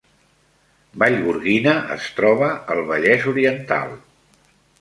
Vallgorguina es troba al Vallès Oriental